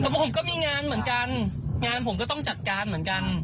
แต่พวกผมก็มีงานเหมือนกันงานผมก็ต้องจัดการเหมือนกัน